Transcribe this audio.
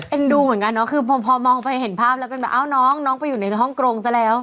ดูเหมือนกันเนาะคือพอมองไปเห็นภาพแล้วเป็นแบบอ้าวน้องน้องไปอยู่ในฮ่องกรงซะแล้ว